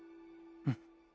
うん。